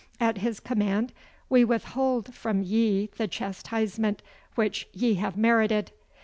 At his command we withhold from ye the chastisement which ye have merited.